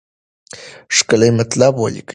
ښکلي مطالب ولیکئ.